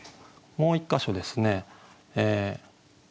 もう１か所ですね。